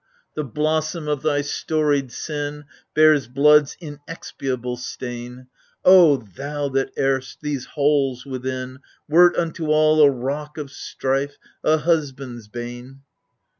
The blossom of thy storied sin Bears blood's inexpiable stain, O thou that erst, these halls within, Wert imto all a rock of strife, A husband's bane